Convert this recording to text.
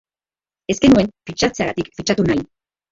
Ez genuen fitxatzeagatik fitxatu nahi.